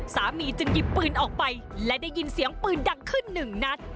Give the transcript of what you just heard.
จึงหยิบปืนออกไปและได้ยินเสียงปืนดังขึ้นหนึ่งนัด